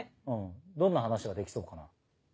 どんな話ができそうかな？